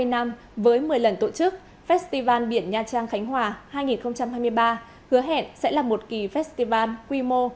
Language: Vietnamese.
hai mươi năm với một mươi lần tổ chức festival biển nha trang khánh hòa hai nghìn hai mươi ba hứa hẹn sẽ là một kỳ festival quy mô